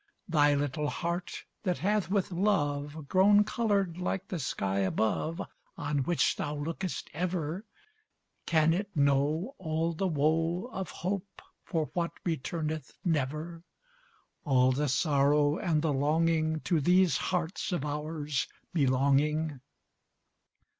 Thy little heart, that hath with love Grown colored like the sky above, On which thou lookest ever, Can it know All the woe Of hope for what returneth never, All the sorrow and the longing To these hearts of ours belonging?